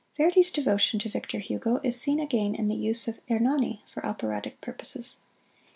Verdi's devotion to Victor Hugo is seen again in the use of "Hernani" for operatic purposes.